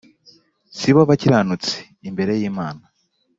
si bo bakiranutsi imbere y Imana